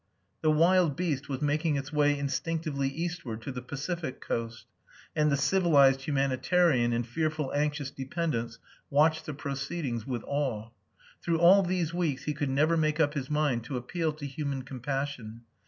The wild beast was making its way instinctively eastward to the Pacific coast, and the civilised humanitarian in fearful anxious dependence watched the proceedings with awe. Through all these weeks he could never make up his mind to appeal to human compassion.